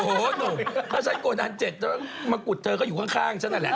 โอ้โฮนุ่มถ้าฉันโกดังเจ็ดมะกุฎเธอก็อยู่ข้างฉันนั่นแหละ